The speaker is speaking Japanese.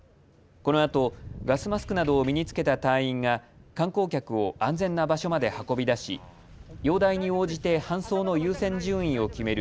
このあとガスマスクなどを身に着けた隊員が観光客を安全な場所まで運び出し容体に応じて搬送の優先順位を決める